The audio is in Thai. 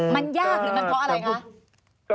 มันยากหรือเพราะอะไรครับ